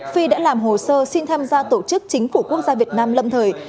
phi đã làm hồ sơ xin tham gia tổ chức chính phủ quốc gia việt nam lâm thời